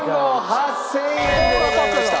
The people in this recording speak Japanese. ８０００円でございました。